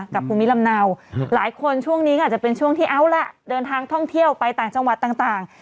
ภูมิลำเนาหลายคนช่วงนี้ก็อาจจะเป็นช่วงที่เอาล่ะเดินทางท่องเที่ยวไปต่างจังหวัดต่าง